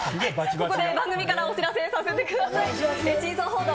ここで番組からお知らせさせてください。